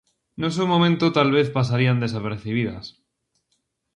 No seu momento tal vez pasarían desapercibidas.